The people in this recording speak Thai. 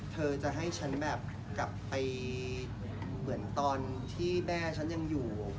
เธอจะให้ฉันแบบกลับไปเหมือนตอนที่แม่ฉันยังอยู่